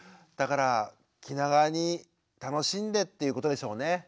だから気長に楽しんでっていうことでしょうね。